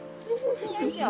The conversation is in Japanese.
よいしょ！